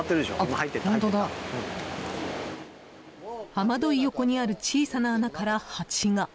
雨どい横にある小さな穴からハチが。